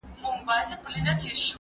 زه به سبا کتابتوننۍ سره وخت تېرووم!